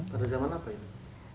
pada zaman apa itu